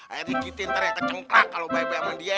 ayo dikitin ntar yang kecengkak kalo bayam bayam dia